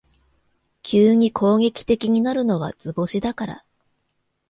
急に攻撃的になるのは図星だから